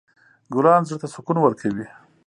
ګلان زړه ته سکون ورکوي.